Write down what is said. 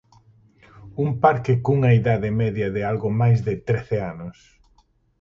Un parque cunha idade media de algo máis de trece anos.